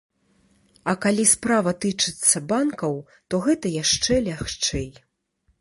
А калі справа тычыцца банкаў, то гэта яшчэ лягчэй.